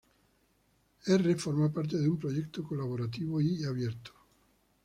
R forma parte de un proyecto colaborativo y abierto.